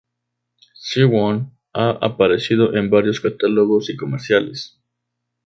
Siwon ha aparecido en varios catálogos y comerciales.